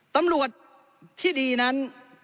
ตำรวจที่ดีนั้น